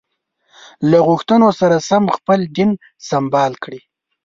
له غوښتنو سره سم خپل دین سمبال کړي.